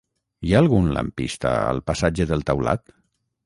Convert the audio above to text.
Hi ha algun lampista al passatge del Taulat?